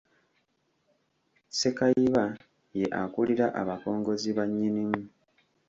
Ssekayiba ye akulira abakongozzi ba Nnyinimu.